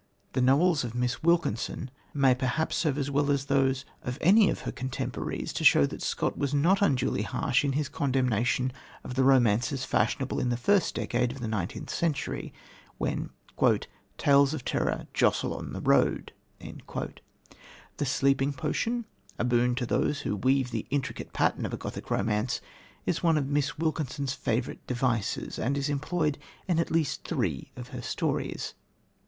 The novels of Miss Wilkinson may perhaps serve as well as those of any of her contemporaries to show that Scott was not unduly harsh in his condemnation of the romances fashionable in the first decade of the nineteenth century, when "tales of terror jostle on the road." The sleeping potion, a boon to those who weave the intricate pattern of a Gothic romance, is one of Miss Wilkinson's favourite devices, and is employed in at least three of her stories.